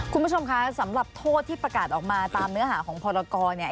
คุณผู้ชมคะสำหรับโทษที่ประกาศออกมาตามเนื้อหาของพรกรเนี่ย